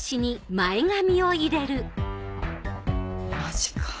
マジか。